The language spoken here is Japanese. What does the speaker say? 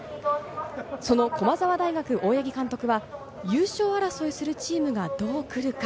その駒澤大学・大八木監督は優勝争いをするチームがどう来るか。